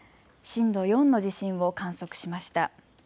震度４の地震を観測しました。